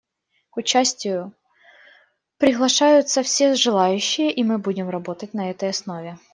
К участию приглашаются все желающие, и мы будем работать на этой основе.